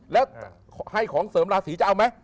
แล้วให้ของเสริมราศีจะเอาไหม